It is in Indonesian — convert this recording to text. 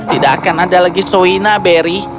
tidak akan ada lagi sawina barry